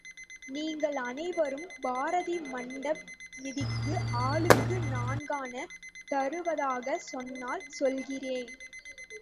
நீங்கள் அனைவரும் பாரதி மண்ட்ப நிதிக்கு ஆளுக்கு நான்கணா தருவதாகச் சொன்னால், சொல்கிறேன்.